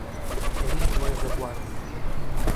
Aviso do anjo da guarda